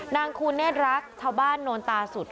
นางคูณแน่นรักชาวบ้านโน้นตาสุด